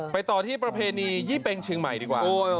ต่อที่ประเพณียี่เป็งเชียงใหม่ดีกว่า